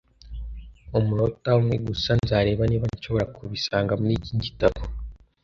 Umunota umwe gusa. Nzareba niba nshobora kubisanga muri iki gitabo.